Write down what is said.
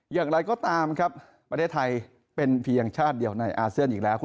อย่างไรก็ตามครับประเทศไทยเป็นเพียงชาติเดียวในอาเซียนอีกแล้ว